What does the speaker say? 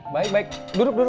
baik baik duduk duduk